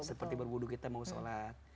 seperti berbudu kita mau sholat